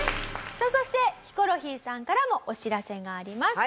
さあそしてヒコロヒーさんからもお知らせがあります。